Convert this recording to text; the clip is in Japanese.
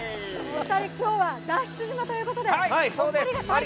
お二人、今日は脱出島ということで。